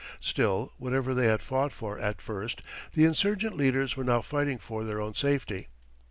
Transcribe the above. Still, whatever they had fought for at first, the insurgent leaders were now fighting for their own safety.